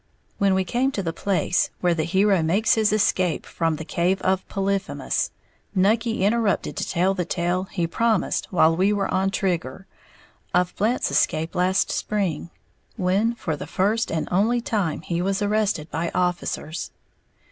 When we came to the place where the hero makes his escape from the cave of Polyphemus, Nucky interrupted to tell the tale he promised while we were on Trigger, of Blant's escape last spring, when for the first and only time he was arrested by officers.